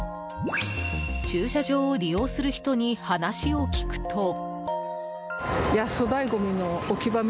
駐車場を利用する人に話を聞くと。